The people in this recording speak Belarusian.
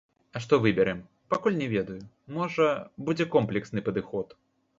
А што выбярэм, пакуль не ведаю, можа, будзе комплексны падыход.